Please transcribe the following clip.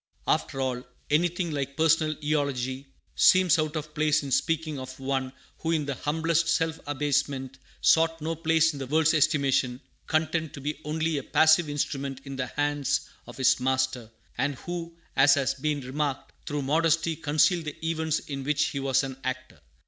'" After all, anything like personal eulogy seems out of place in speaking of one who in the humblest self abasement sought no place in the world's estimation, content to be only a passive instrument in the hands of his Master; and who, as has been remarked, through modesty concealed the events in which he was an actor.